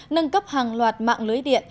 nâng cấp hàng loạt mạng lưới điện